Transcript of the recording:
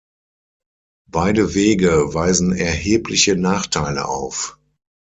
Beide Wege weisen erhebliche Nachteile auf.